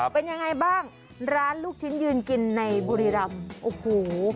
เป็นยังไงบ้างร้านลูกชิ้นยืนกินในบุรีรำโอ้โห